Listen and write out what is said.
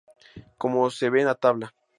Como se ve en la tabla.